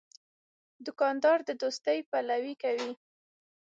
دوکاندار د دوستۍ پلوي کوي.